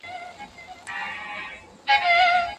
په امریکا کې داسې لابرتوارونه سته چې پټ توري ویني.